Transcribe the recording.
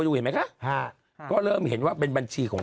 ดูเห็นไหมคะก็เริ่มเห็นว่าเป็นบัญชีของ